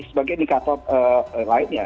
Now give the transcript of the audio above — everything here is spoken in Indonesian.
sebagai nikah lain ya